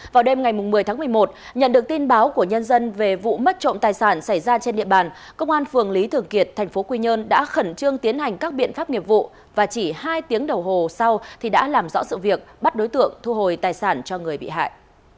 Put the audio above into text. vào đêm ngày một mươi tháng một mươi một nhận được tin báo của nhân dân về vụ mất trộm tài sản xảy ra trên địa bàn công an phường lý thường kiệt thành phố quy nhơn đã khẩn trương tiến hành các biện pháp nghiệp vụ và chỉ hai tiếng đồng hồ sau thì đã làm rõ sự việc bắt đối tượng thu hồi tài sản cho người bị hại